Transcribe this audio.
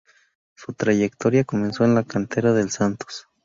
Su trayectoria comenzó en la cantera del Santos.